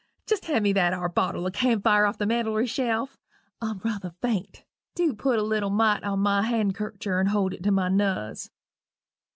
Jest hand me that are bottle of camfire off the mantletry shelf I'm ruther faint dew put a little mite on my handkercher and hold it to my nuz.